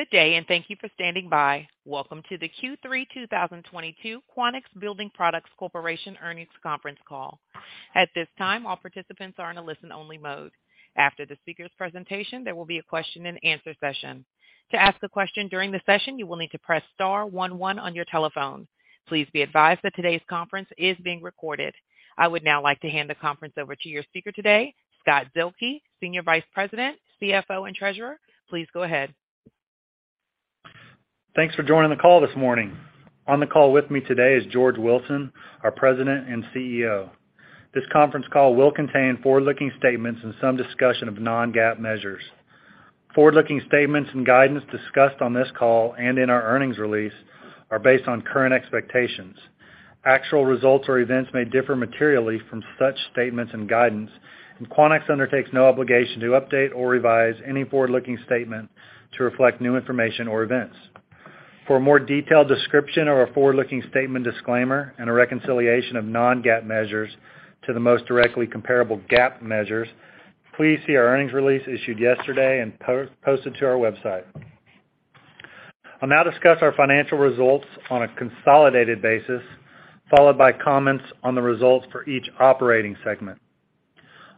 Good day, and thank you for standing by. Welcome to the Q3 2022 Quanex Building Products Corporation Earnings Conference Call. At this time, all participants are in a listen-only mode. After the speaker's presentation, there will be a Q&A. To ask a question during the session, you will need to press star one one on your telephone. Please be advised that today's conference is being recorded. I would now like to hand the conference over to your speaker today, Scott Zuehlke, Senior Vice President, CFO, and Treasurer. Please go ahead. Thanks for joining the call this morning. On the call with me today is George Wilson, our President and CEO. This conference call will contain forward-looking statements and some discussion of non-GAAP measures. Forward-looking statements and guidance discussed on this call and in our earnings release are based on current expectations. Actual results or events may differ materially from such statements and guidance, and Quanex undertakes no obligation to update or revise any forward-looking statement to reflect new information or events. For a more detailed description of our forward-looking statement disclaimer and a reconciliation of non-GAAP measures to the most directly comparable GAAP measures, please see our earnings release issued yesterday and posted to our website. I'll now discuss our financial results on a consolidated basis, followed by comments on the results for each operating segment.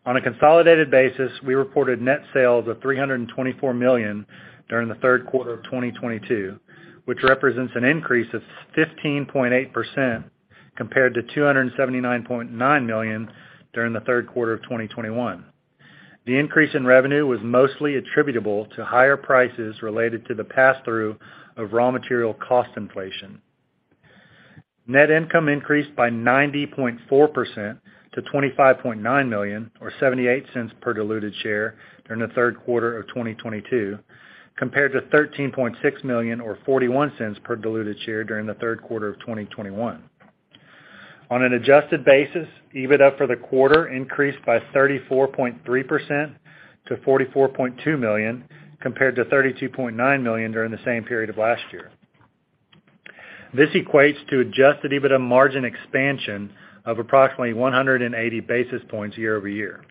On a consolidated basis, we reported net sales of $324 million during the third quarter of 2022, which represents an increase of 15.8% compared to $279.9 million during the third quarter of 2021. The increase in revenue was mostly attributable to higher prices related to the passthrough of raw material cost inflation. Net income increased by 90.4% to $25.9 million or $0.78 per diluted share during the third quarter of 2022 compared to $13.6 million or $0.41 per diluted share during the third quarter of 2021. On an adjusted basis, EBITDA for the quarter increased by 34.3% to $44.2 million compared to $32.9 million during the same period of last year. This equates to adjusted EBITDA margin expansion of approximately 180 basis points year-over-year.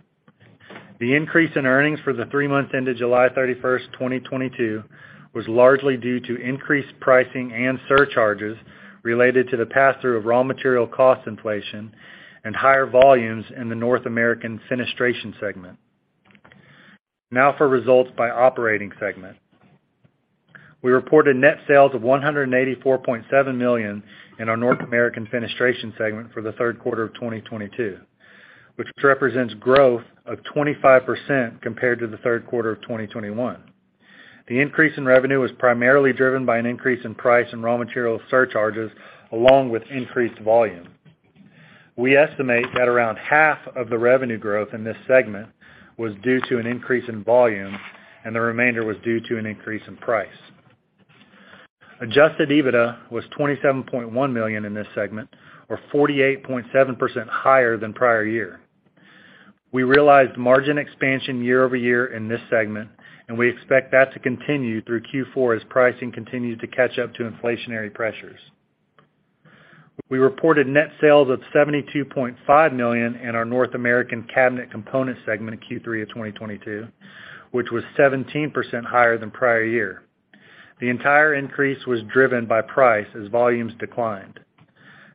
The increase in earnings for the three months ended July 31st, 2022 was largely due to increased pricing and surcharges related to the passthrough of raw material cost inflation and higher volumes in the North American Fenestration segment. Now for results by operating segment. We reported net sales of $184.7 million in our North American Fenestration segment for the third quarter of 2022, which represents growth of 25% compared to the third quarter of 2021. The increase in revenue was primarily driven by an increase in price and raw material surcharges along with increased volume. We estimate that around half of the revenue growth in this segment was due to an increase in volume, and the remainder was due to an increase in price. Adjusted EBITDA was $27.1 million in this segment or 48.7% higher than prior year. We realized margin expansion year-over-year in this segment, and we expect that to continue through Q4 as pricing continues to catch up to inflationary pressures. We reported net sales of $72.5 million in our North American Cabinet Components segment in Q3 of 2022, which was 17% higher than prior year. The entire increase was driven by price as volumes declined.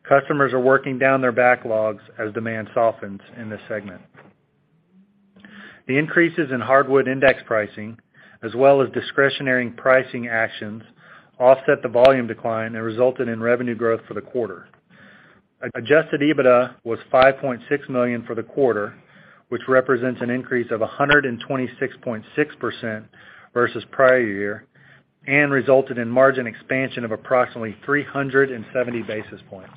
Customers are working down their backlogs as demand softens in this segment. The increases in hardwood index pricing as well as discretionary pricing actions offset the volume decline and resulted in revenue growth for the quarter. Adjusted EBITDA was $5.6 million for the quarter, which represents an increase of 126.6% versus prior year and resulted in margin expansion of approximately 370 basis points.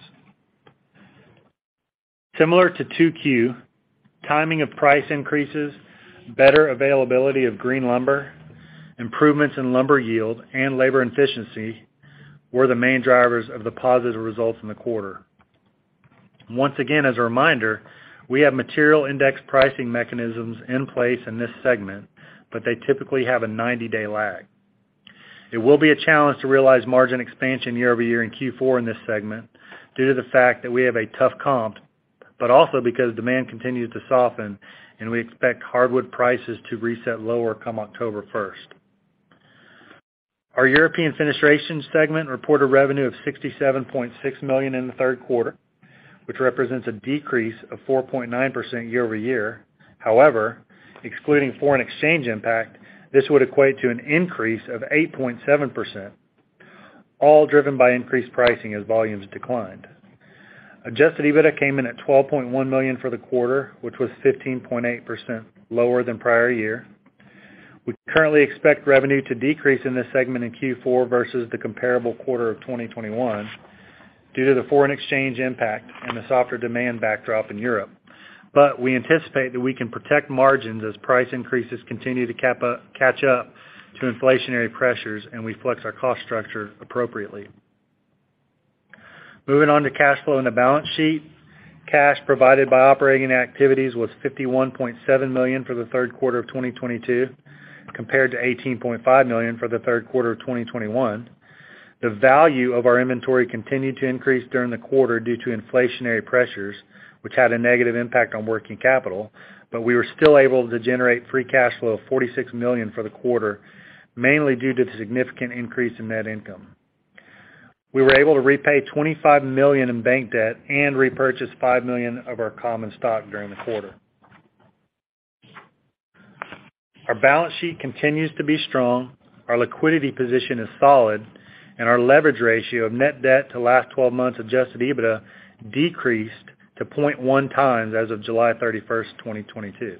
Similar to 2Q, timing of price increases, better availability of green lumber, improvements in lumber yield, and labor efficiency were the main drivers of the positive results in the quarter. Once again, as a reminder, we have material index pricing mechanisms in place in this segment, but they typically have a 90-day lag. It will be a challenge to realize margin expansion year-over-year in Q4 in this segment due to the fact that we have a tough comp, but also because demand continues to soften, and we expect hardwood prices to reset lower come October 1st. Our European Fenestration segment reported revenue of $67.6 million in the third quarter, which represents a decrease of 4.9% year-over-year. However, excluding foreign exchange impact, this would equate to an increase of 8.7%, all driven by increased pricing as volumes declined. Adjusted EBITDA came in at $12.1 million for the quarter, which was 15.8% lower than prior year. We currently expect revenue to decrease in this segment in Q4 versus the comparable quarter of 2021 due to the foreign exchange impact and the softer demand backdrop in Europe. We anticipate that we can protect margins as price increases continue to catch up to inflationary pressures, and we flex our cost structure appropriately. Moving on to cash flow and the balance sheet. Cash provided by operating activities was $51.7 million for the third quarter of 2022 compared to $18.5 million for the third quarter of 2021. The value of our inventory continued to increase during the quarter due to inflationary pressures, which had a negative impact on working capital, but we were still able to generate free cash flow of $46 million for the quarter, mainly due to the significant increase in net income. We were able to repay $25 million in bank debt and repurchase $5 million of our common stock during the quarter. Our balance sheet continues to be strong, our liquidity position is solid, and our leverage ratio of net debt to last twelve months adjusted EBITDA decreased to 0.1x as of July 31st, 2022.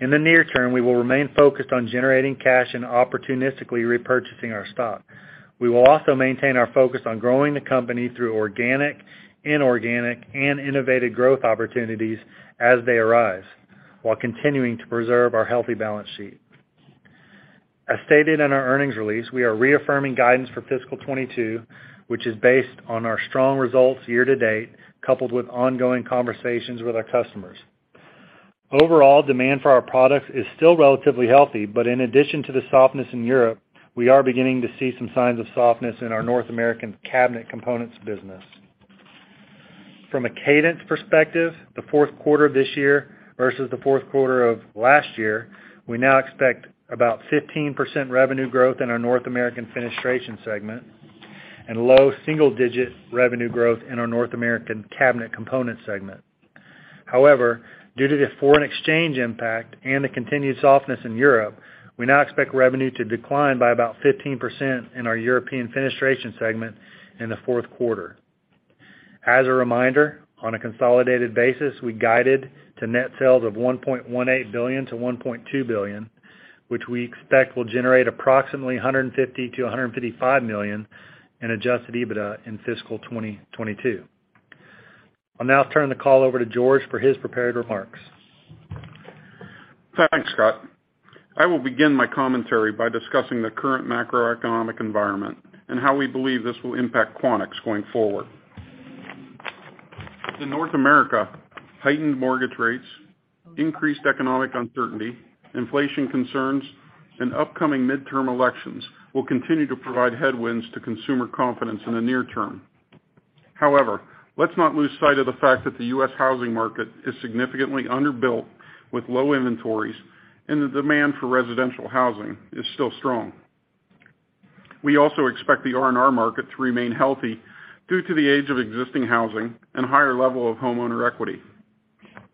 In the near term, we will remain focused on generating cash and opportunistically repurchasing our stock. We will also maintain our focus on growing the company through organic, inorganic, and innovative growth opportunities as they arise, while continuing to preserve our healthy balance sheet. As stated in our earnings release, we are reaffirming guidance for fiscal 2022, which is based on our strong results year to date, coupled with ongoing conversations with our customers. Overall, demand for our products is still relatively healthy. In addition to the softness in Europe, we are beginning to see some signs of softness in our North American Cabinet Components business. From a cadence perspective, the fourth quarter of this year versus the fourth quarter of last year, we now expect about 15% revenue growth in our North American Fenestration segment and low single-digit revenue growth in our North American Cabinet Components segment. However, due to the foreign exchange impact and the continued softness in Europe, we now expect revenue to decline by about 15% in our European Fenestration segment in the fourth quarter. As a reminder, on a consolidated basis, we guided to net sales of $1.18 billion-$1.2 billion, which we expect will generate approximately $150 million-$155 million in adjusted EBITDA in fiscal 2022. I'll now turn the call over to George for his prepared remarks. Thanks, Scott. I will begin my commentary by discussing the current macroeconomic environment and how we believe this will impact Quanex going forward. In North America, heightened mortgage rates, increased economic uncertainty, inflation concerns, and upcoming midterm elections will continue to provide headwinds to consumer confidence in the near term. However, let's not lose sight of the fact that the U.S. housing market is significantly underbuilt with low inventories, and the demand for residential housing is still strong. We also expect the R&R market to remain healthy due to the age of existing housing and higher level of homeowner equity.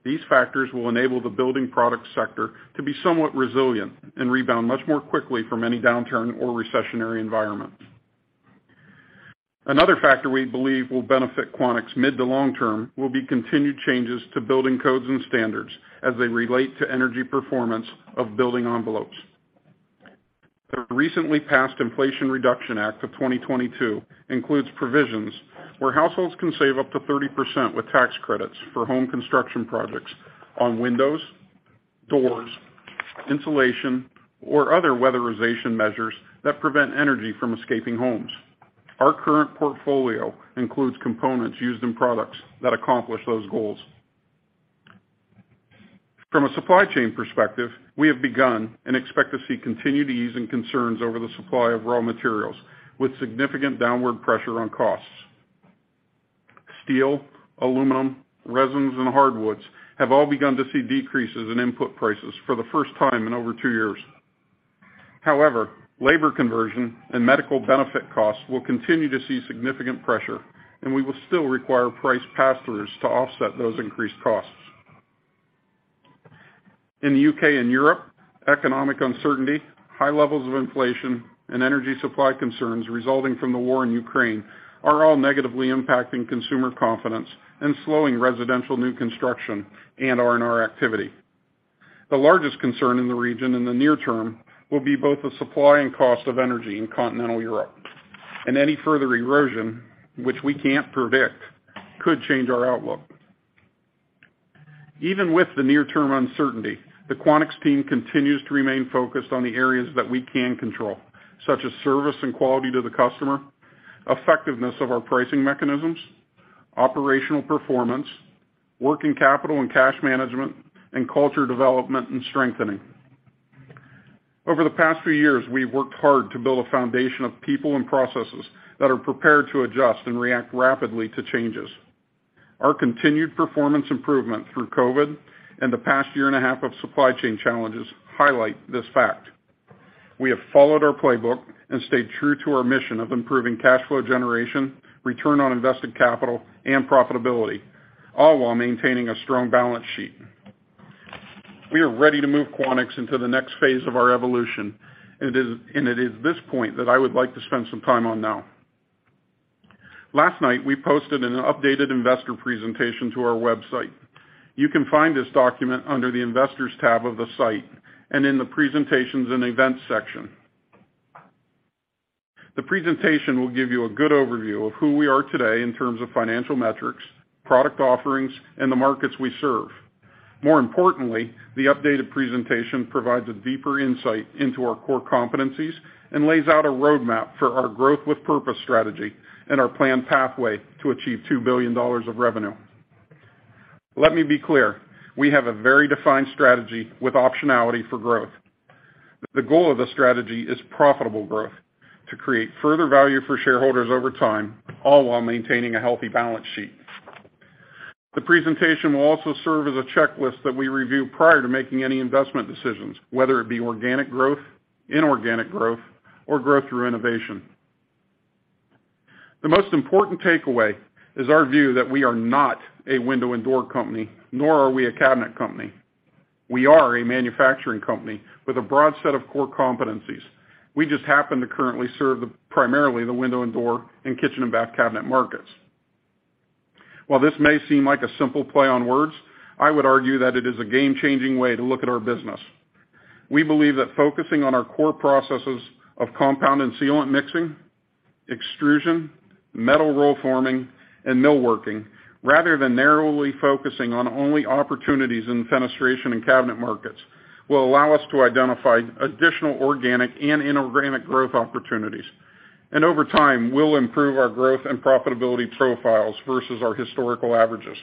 These factors will enable the building product sector to be somewhat resilient and rebound much more quickly from any downturn or recessionary environment. Another factor we believe will benefit Quanex mid to long term will be continued changes to building codes and standards as they relate to energy performance of building envelopes. The recently passed Inflation Reduction Act of 2022 includes provisions where households can save up to 30% with tax credits for home construction projects on windows, doors, insulation, or other weatherization measures that prevent energy from escaping homes. Our current portfolio includes components used in products that accomplish those goals. From a supply chain perspective, we have begun and expect to see continued easing concerns over the supply of raw materials with significant downward pressure on costs. Steel, aluminum, resins, and hardwoods have all begun to see decreases in input prices for the first time in over two years. However, labor conversion and medical benefit costs will continue to see significant pressure, and we will still require price pass-throughs to offset those increased costs. In the U.K. and Europe, economic uncertainty, high levels of inflation, and energy supply concerns resulting from the war in Ukraine are all negatively impacting consumer confidence and slowing residential new construction and R&R activity. The largest concern in the region in the near term will be both the supply and cost of energy in continental Europe, and any further erosion, which we can't predict, could change our outlook. Even with the near-term uncertainty, the Quanex team continues to remain focused on the areas that we can control, such as service and quality to the customer, effectiveness of our pricing mechanisms, operational performance, working capital and cash management, and culture development and strengthening. Over the past few years, we've worked hard to build a foundation of people and processes that are prepared to adjust and react rapidly to changes. Our continued performance improvement through COVID and the past year and a half of supply chain challenges highlight this fact. We have followed our playbook and stayed true to our mission of improving cash flow generation, return on invested capital, and profitability, all while maintaining a strong balance sheet. We are ready to move Quanex into the next phase of our evolution, and it is this point that I would like to spend some time on now. Last night, we posted an updated investor presentation to our website. You can find this document under the Investors tab of the site and in the presentations and events section. The presentation will give you a good overview of who we are today in terms of financial metrics, product offerings, and the markets we serve. More importantly, the updated presentation provides a deeper insight into our core competencies and lays out a roadmap for our growth with purpose strategy and our planned pathway to achieve $2 billion of revenue. Let me be clear, we have a very defined strategy with optionality for growth. The goal of the strategy is profitable growth to create further value for shareholders over time, all while maintaining a healthy balance sheet. The presentation will also serve as a checklist that we review prior to making any investment decisions, whether it be organic growth, inorganic growth, or growth through innovation. The most important takeaway is our view that we are not a window and door company, nor are we a cabinet company. We are a manufacturing company with a broad set of core competencies. We just happen to currently serve primarily the window and door, and kitchen and bath cabinet markets. While this may seem like a simple play on words, I would argue that it is a game-changing way to look at our business. We believe that focusing on our core processes of compound and sealant mixing, extrusion, metal roll forming, and millworking, rather than narrowly focusing on only opportunities in fenestration and cabinet markets, will allow us to identify additional organic and inorganic growth opportunities, and over time, will improve our growth and profitability profiles versus our historical averages.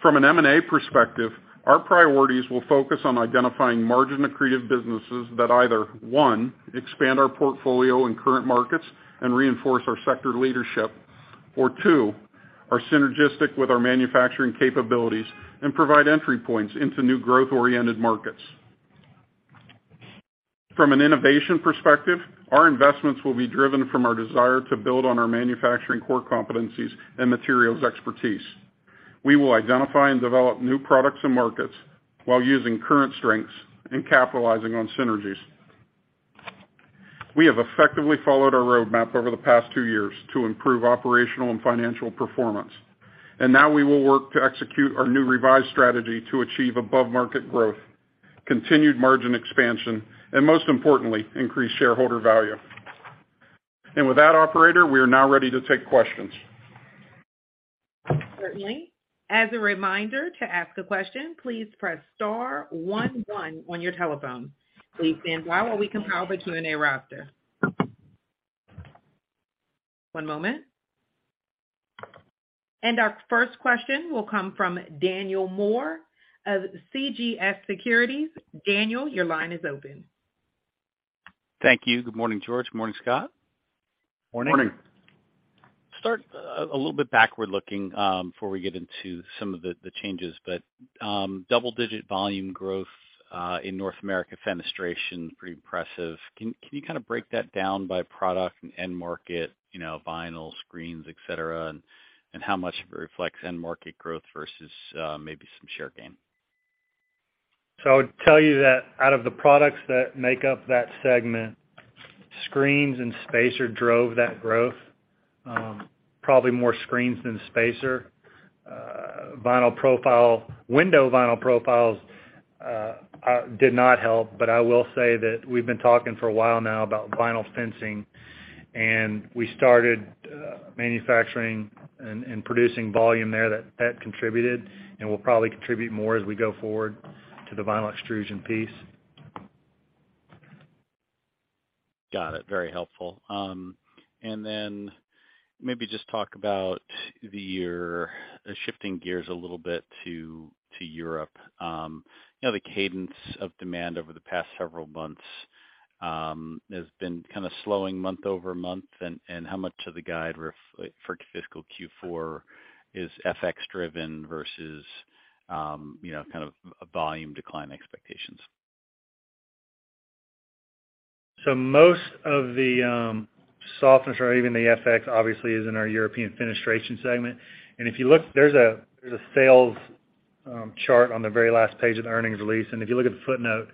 From an M&A perspective, our priorities will focus on identifying margin-accretive businesses that either, one, expand our portfolio in current markets and reinforce our sector leadership, or two, are synergistic with our manufacturing capabilities and provide entry points into new growth-oriented markets. From an innovation perspective, our investments will be driven from our desire to build on our manufacturing core competencies and materials expertise. We will identify and develop new products and markets while using current strengths and capitalizing on synergies. We have effectively followed our roadmap over the past two years to improve operational and financial performance, and now we will work to execute our new revised strategy to achieve above-market growth, continued margin expansion, and most importantly, increase shareholder value. With that, operator, we are now ready to take questions. Certainly. As a reminder, to ask a question, please press star one one on your telephone. Please stand by while we compile the Q&A roster. One moment. Our first question will come from Daniel Moore of CJS Securities. Daniel, your line is open. Thank you. Good morning, George. Morning, Scott. Morning. Morning. Starting a little bit backward-looking before we get into some of the changes. Double-digit volume growth in North American Fenestration is pretty impressive. Can you kind of break that down by product and end market, you know, vinyl, screens, et cetera, and how much of it reflects end market growth versus maybe some share gain? I would tell you that out of the products that make up that segment, screens and spacer drove that growth. Probably more screens than spacer. Window vinyl profiles did not help, but I will say that we've been talking for a while now about vinyl fencing, and we started manufacturing and producing volume there that contributed and will probably contribute more as we go forward to the vinyl extrusion piece. Got it. Very helpful. Maybe just talk about the year, shifting gears a little bit to Europe. You know, the cadence of demand over the past several months has been kind of slowing month-over-month. How much of the guide reflects for fiscal Q4 is FX driven versus, you know, kind of volume decline expectations? Most of the softness or even the FX obviously is in our European Fenestration segment. If you look, there's a sales chart on the very last page of the earnings release. If you look at the footnote,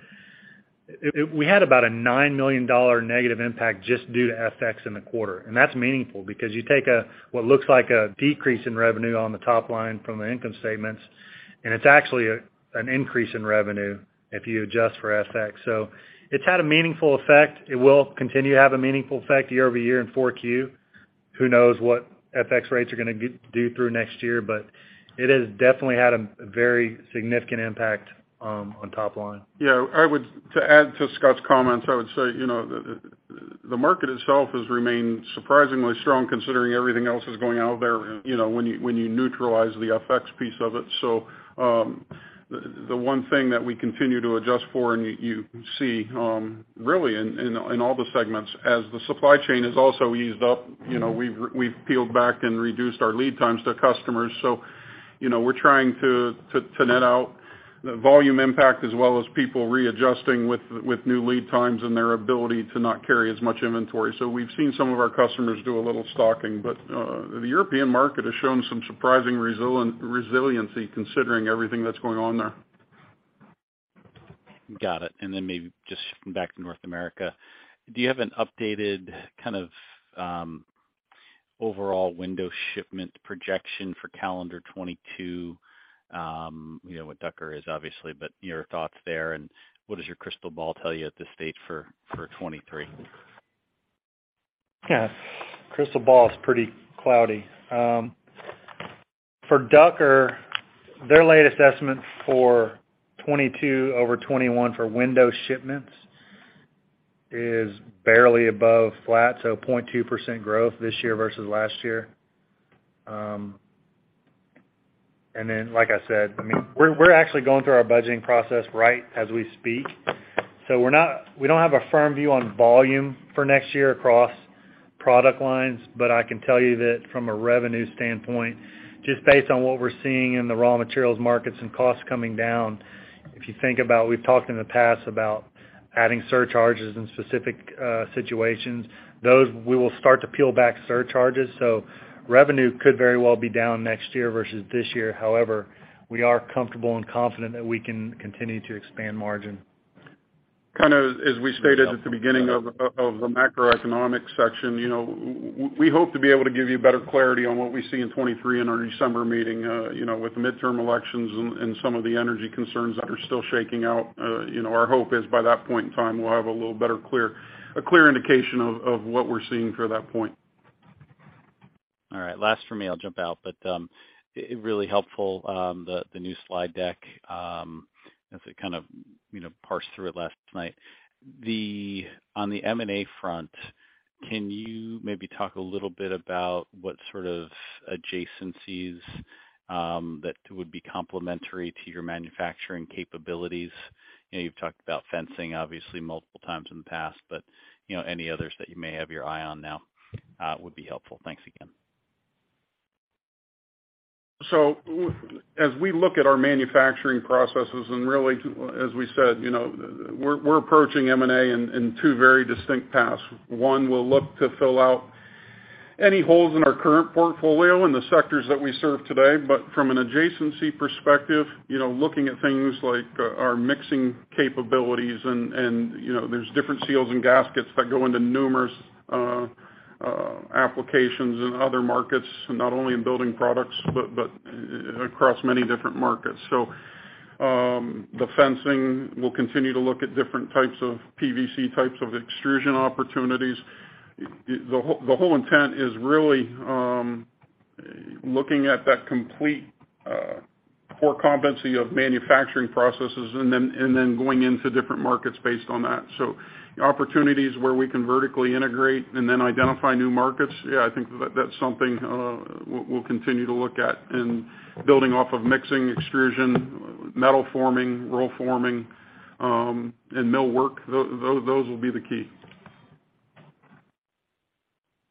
we had about a $9 million negative impact just due to FX in the quarter. That's meaningful because you take what looks like a decrease in revenue on the top line from the income statements, and it's actually an increase in revenue if you adjust for FX. It's had a meaningful effect. It will continue to have a meaningful effect year-over-year in 4Q. Who knows what FX rates are gonna do through next year? It has definitely had a very significant impact on top line. To add to Scott's comments, I would say, you know, the market itself has remained surprisingly strong considering everything else that's going on out there, you know, when you neutralize the FX piece of it. The one thing that we continue to adjust for, and you see really in all the segments as the supply chain has also eased up, you know, we've peeled back and reduced our lead times to customers. You know, we're trying to net out the volume impact as well as people readjusting with new lead times and their ability to not carry as much inventory. We've seen some of our customers do a little stocking, but the European market has shown some surprising resiliency considering everything that's going on there. Got it. Maybe just shifting back to North America, do you have an updated kind of overall window shipment projection for calendar 2022? You know, with Ducker is obviously, but your thoughts there, and what does your crystal ball tell you at this stage for 2023? Yeah. Crystal ball is pretty cloudy. For Ducker, their latest estimate for 2022 over 2021 for window shipments is barely above flat, so 0.2% growth this year versus last year. Like I said, I mean, we're actually going through our budgeting process right as we speak. We don't have a firm view on volume for next year across product lines, but I can tell you that from a revenue standpoint, just based on what we're seeing in the raw materials markets and costs coming down, if you think about we've talked in the past about adding surcharges in specific situations, those we will start to peel back surcharges. Revenue could very well be down next year versus this year. However, we are comfortable and confident that we can continue to expand margin. Kind of as we stated at the beginning of the macroeconomic section, you know, we hope to be able to give you better clarity on what we see in 2023 in our December meeting, you know, with the midterm elections and some of the energy concerns that are still shaking out. You know, our hope is by that point in time, we'll have a little better a clear indication of what we're seeing through that point. All right. Last for me, I'll jump out. Really helpful, the new slide deck, as I kind of, you know, parsed through it last night. On the M&A front, can you maybe talk a little bit about what sort of adjacencies that would be complementary to your manufacturing capabilities? You've talked about fencing obviously multiple times in the past, but, you know, any others that you may have your eye on now, would be helpful. Thanks again. As we look at our manufacturing processes, and really, as we said, you know, we're approaching M&A in two very distinct paths. One, we'll look to fill out any holes in our current portfolio in the sectors that we serve today. From an adjacency perspective, you know, looking at things like our mixing capabilities and, you know, there's different seals and gaskets that go into numerous applications in other markets, not only in building products, but across many different markets. The fenestration, we'll continue to look at different types of PVC types of extrusion opportunities. The whole intent is really looking at that complete core competency of manufacturing processes and then going into different markets based on that. Opportunities where we can vertically integrate and then identify new markets, yeah, I think that's something, we'll continue to look at. Building off of mixing, extrusion, metal forming, roll forming, and millwork, those will be the key.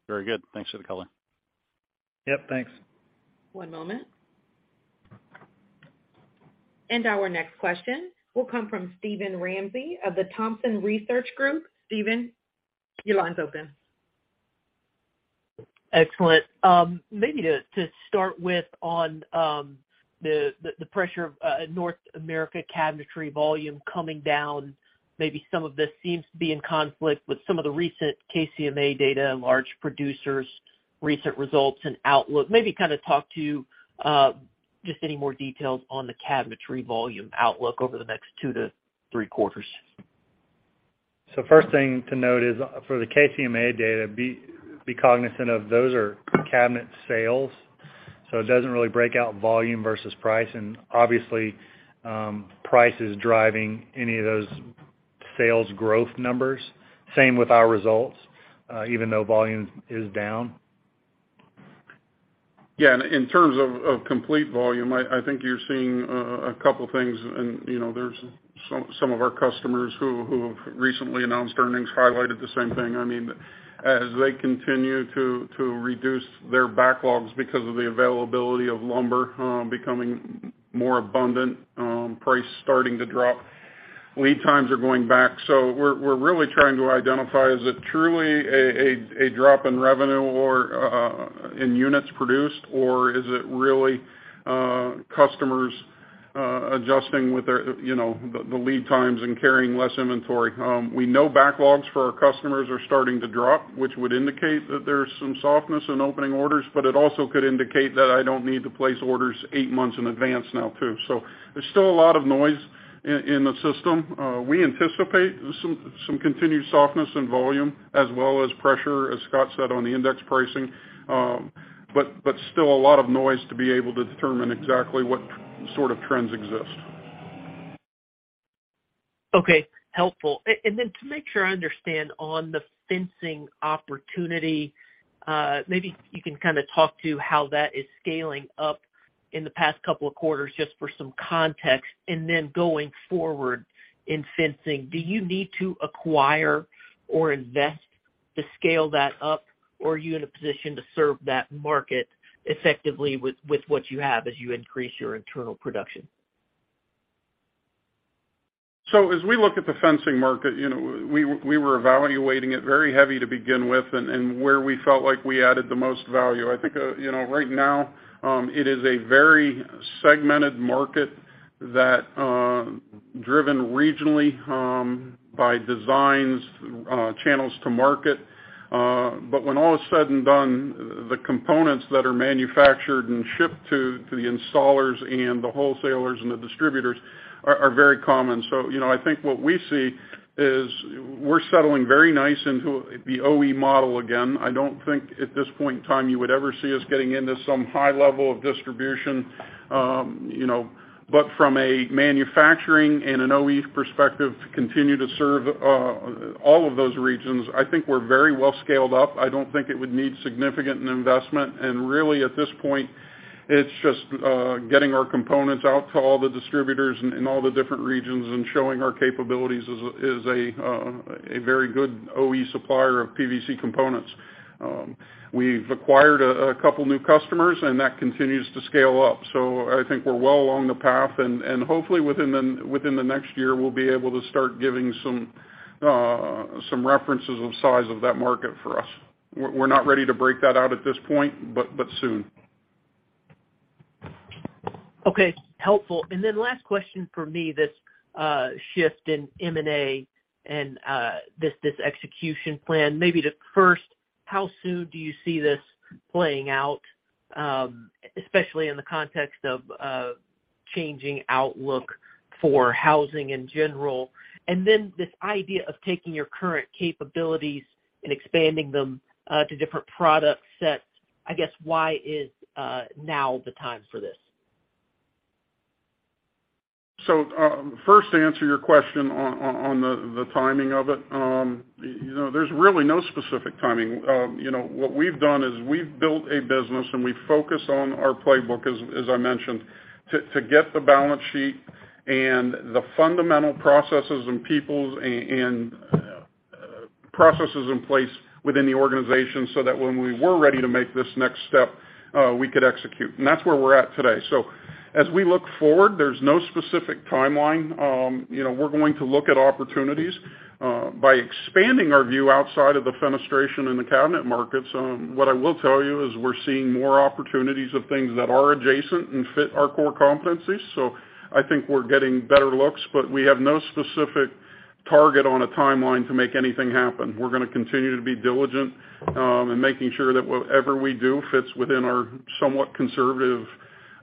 Very good. Thanks for the color. Yep, thanks. One moment. Our next question will come from Stephen Ramsey of the Thompson Research Group. Stephen, your line's open. Excellent. Maybe to start with on the pressure of North America cabinetry volume coming down, maybe some of this seems to be in conflict with some of the recent KCMA data and large producers' recent results and outlook. Maybe kind of talk to just any more details on the cabinetry volume outlook over the next two to three quarters. First thing to note is for the KCMA data, be cognizant of those are cabinet sales, so it doesn't really break out volume versus price. Obviously, price is driving any of those sales growth numbers. Same with our results, even though volume is down. Yeah. In terms of complete volume, I think you're seeing a couple of things. You know, there's some of our customers who have recently announced earnings highlighted the same thing. I mean, as they continue to reduce their backlogs because of the availability of lumber becoming more abundant, price starting to drop, lead times are going back. We're really trying to identify is it truly a drop in revenue or in units produced, or is it really customers adjusting with their, you know, the lead times and carrying less inventory? We know backlogs for our customers are starting to drop, which would indicate that there's some softness in opening orders, but it also could indicate that I don't need to place orders eight months in advance now, too. There's still a lot of noise in the system. We anticipate some continued softness in volume as well as pressure, as Scott said, on the index pricing. Still a lot of noise to be able to determine exactly what sort of trends exist. Okay. Helpful. To make sure I understand on the fencing opportunity, maybe you can kind of talk to how that is scaling up in the past couple of quarters, just for some context. Going forward in fencing, do you need to acquire or invest to scale that up, or are you in a position to serve that market effectively with what you have as you increase your internal production? As we look at the fenestration market, you know, we were evaluating it very heavily to begin with and where we felt like we added the most value. I think, you know, right now, it is a very segmented market that driven regionally by designs, channels to market. When all is said and done, the components that are manufactured and shipped to the installers and the wholesalers and the distributors are very common. You know, I think what we see is we're settling very nicely into the OE model again. I don't think at this point in time, you would ever see us getting into some high level of distribution, you know. From a manufacturing and an OE perspective, to continue to serve all of those regions, I think we're very well scaled up. I don't think it would need significant investment. Really, at this point it's just getting our components out to all the distributors in all the different regions and showing our capabilities as a very good OE supplier of PVC components. We've acquired a couple new customers, and that continues to scale up. I think we're well along the path, and hopefully within the next year, we'll be able to start giving some references of size of that market for us. We're not ready to break that out at this point, but soon. Okay. Helpful. Last question for me, this shift in M&A and this execution plan. Maybe the first, how soon do you see this playing out, especially in the context of changing outlook for housing in general? This idea of taking your current capabilities and expanding them to different product sets, I guess why is now the time for this? First to answer your question on the timing of it. You know, there's really no specific timing. You know, what we've done is we've built a business, and we focus on our playbook, as I mentioned, to get the balance sheet and the fundamental processes and people and processes in place within the organization so that when we were ready to make this next step, we could execute. That's where we're at today. As we look forward, there's no specific timeline. You know, we're going to look at opportunities by expanding our view outside of the fenestration and the cabinet markets. What I will tell you is we're seeing more opportunities of things that are adjacent and fit our core competencies. I think we're getting better looks, but we have no specific target on a timeline to make anything happen. We're gonna continue to be diligent in making sure that whatever we do fits within our somewhat conservative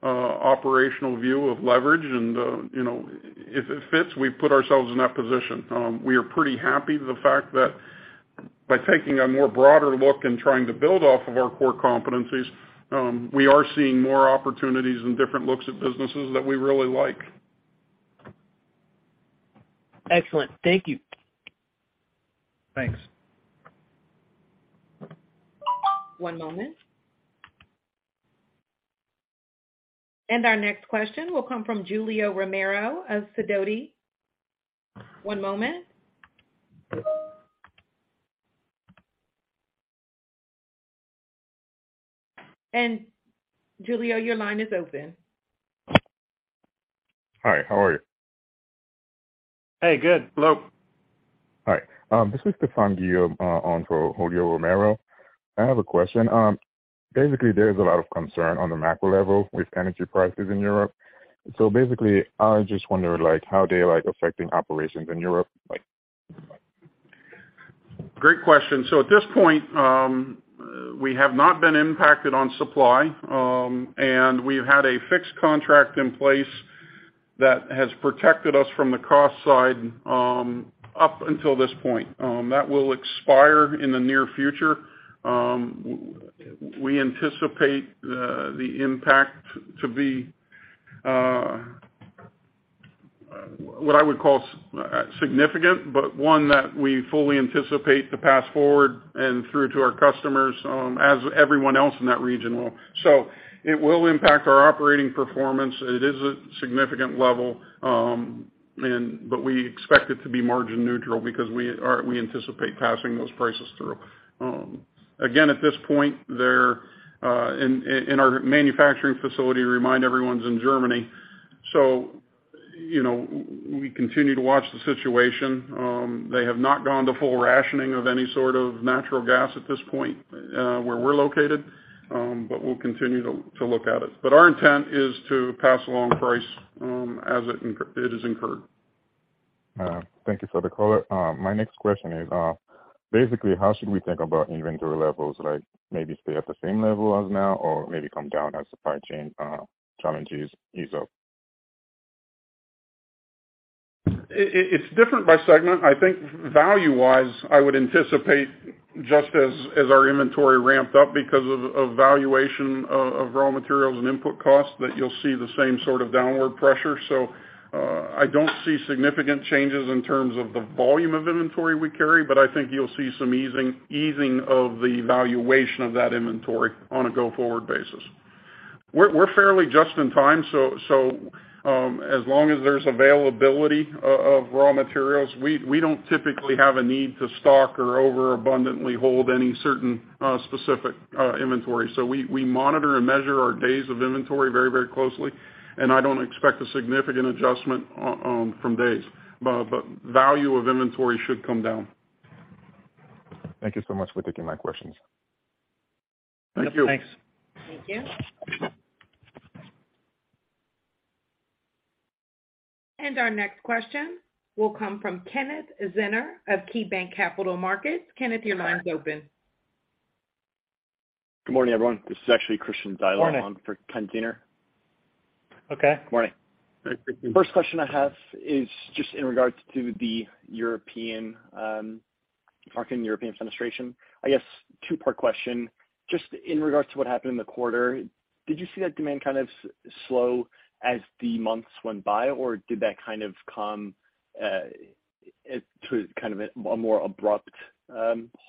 operational view of leverage. You know, if it fits, we put ourselves in that position. We are pretty happy with the fact that by taking a more broader look and trying to build off of our core competencies, we are seeing more opportunities and different looks at businesses that we really like. Excellent. Thank you. Thanks. One moment. Our next question will come from Julio Romero of Sidoti. One moment. Julio, your line is open. Hi, how are you? Hey, good. Hello. Hi. This is Stephan Guillaume on for Julio Romero. I have a question. Basically, there is a lot of concern on the macro level with energy prices in Europe. Basically, I just wonder, like, how they're, like, affecting operations in Europe like? Great question. At this point, we have not been impacted on supply, and we've had a fixed contract in place that has protected us from the cost side, up until this point. That will expire in the near future. We anticipate the impact to be what I would call significant, but one that we fully anticipate to pass forward and through to our customers, as everyone else in that region will. It will impact our operating performance. It is a significant level, but we expect it to be margin neutral because we anticipate passing those prices through. Again, at this point, they're in our manufacturing facility, reminding everyone it's in Germany. You know, we continue to watch the situation. They have not gone to full rationing of any sort of natural gas at this point, where we're located, but we'll continue to look at it. Our intent is to pass along price as it is incurred. Thank you for the color. My next question is, basically, how should we think about inventory levels? Like, maybe stay at the same level as now or maybe come down as supply chain challenges ease up? It's different by segment. I think value-wise, I would anticipate just as our inventory ramped up because of valuation of raw materials and input costs, that you'll see the same sort of downward pressure. I don't see significant changes in terms of the volume of inventory we carry, but I think you'll see some easing of the valuation of that inventory on a go-forward basis. We're fairly just in time, so as long as there's availability of raw materials, we don't typically have a need to stock or overabundantly hold any certain specific inventory. We monitor and measure our days of inventory very closely, and I don't expect a significant adjustment from days. Value of inventory should come down. Thank you so much for taking my questions. Thank you. Thanks. Thank you. Our next question will come from Kenneth Zener of KeyBanc Capital Markets. Kenneth, your line is open. Good morning, everyone. This is actually Christian Zyla on. Morning. For Kenneth Zener. Okay. Good morning. Hi, Christian. First question I have is just in regards to the European market and European Fenestration. I guess two-part question. Just in regards to what happened in the quarter, did you see that demand kind of slow as the months went by, or did that kind of come to a more abrupt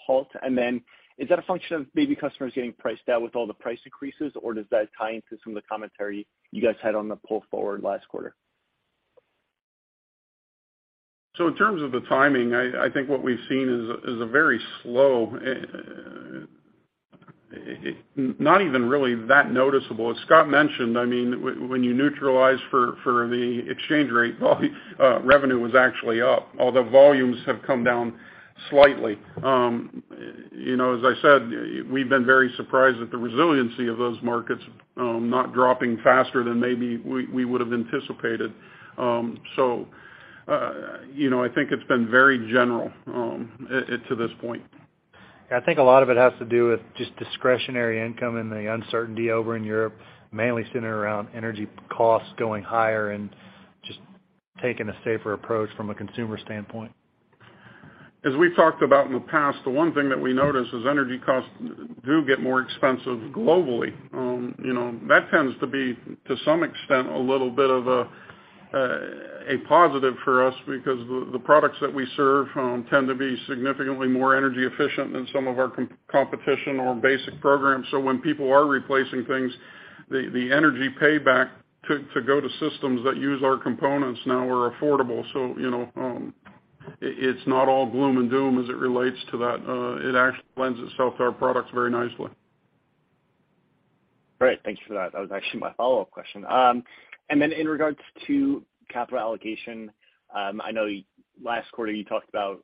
halt. Then is that a function of maybe customers getting priced out with all the price increases, or does that tie into some of the commentary you guys had on the pull forward last quarter? In terms of the timing, I think what we've seen is a very slow, not even really that noticeable. As Scott mentioned, I mean, when you neutralize for the exchange rate, volume, revenue was actually up, although volumes have come down slightly. You know, as I said, we've been very surprised at the resiliency of those markets, not dropping faster than maybe we would've anticipated. You know, I think it's been very general, to this point. Yeah, I think a lot of it has to do with just discretionary income and the uncertainty over in Europe, mainly centered around energy costs going higher and just taking a safer approach from a consumer standpoint. As we've talked about in the past, the one thing that we notice is energy costs do get more expensive globally. You know, that tends to be, to some extent, a little bit of a positive for us because the products that we serve tend to be significantly more energy efficient than some of our competition or basic programs. When people are replacing things, the energy payback to go to systems that use our components now are affordable. You know, it's not all gloom and doom as it relates to that. It actually lends itself to our products very nicely. Great. Thank you for that. That was actually my follow-up question. In regards to capital allocation, I know last quarter you talked about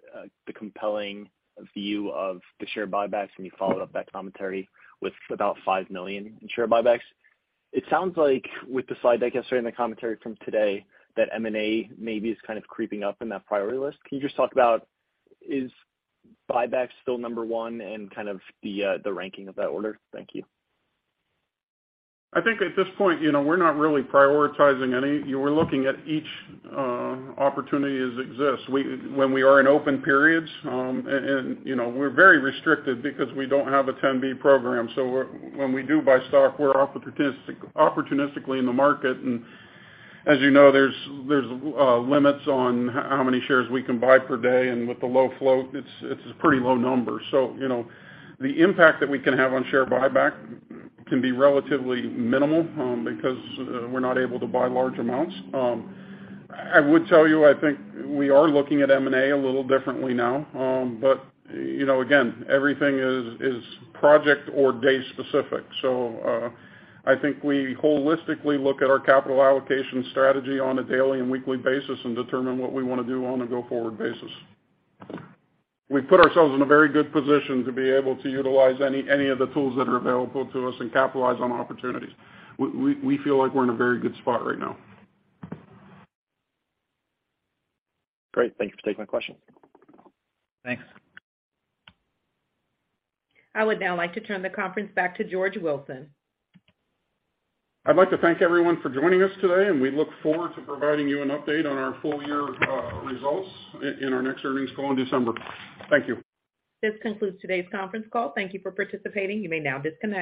the compelling view of the share buybacks, and you followed up that commentary with about $5 million in share buybacks. It sounds like with the slide deck yesterday and the commentary from today that M&A maybe is kind of creeping up in that priority list. Can you just talk about is buybacks still number one and kind of the ranking of that order? Thank you. I think at this point, you know, we're not really prioritizing any. We're looking at each opportunity as it exists. When we are in open periods, you know, we're very restricted because we don't have a 10b5-1 program. When we do buy stock, we're opportunistically in the market. As you know, there's limits on how many shares we can buy per day, and with the low flow, it's a pretty low number. You know, the impact that we can have on share buyback can be relatively minimal, because we're not able to buy large amounts. I would tell you, I think we are looking at M&A a little differently now. You know, again, everything is project or day specific. I think we holistically look at our capital allocation strategy on a daily and weekly basis and determine what we wanna do on a go-forward basis. We've put ourselves in a very good position to be able to utilize any of the tools that are available to us and capitalize on opportunities. We feel like we're in a very good spot right now. Great. Thank you for taking my questions. Thanks. I would now like to turn the conference back to George Wilson. I'd like to thank everyone for joining us today, and we look forward to providing you an update on our full year results in our next earnings call in December. Thank you. This concludes today's conference call. Thank you for participating. You may now disconnect.